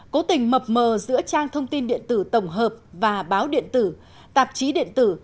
cố tình mập mờ giữa trang thông tin điện tử tổng hợp và báo điện tử tạp chí điện tử